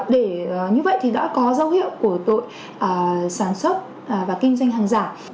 để như vậy thì đã có dấu hiệu của tội sản xuất và kinh doanh hàng giả